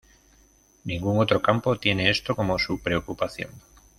Ningún otro campo tiene esto como su preocupación.